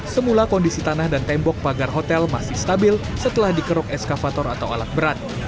semula kondisi tanah dan tembok pagar hotel masih stabil setelah dikeruk eskavator atau alat berat